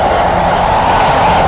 amin ya rukh alamin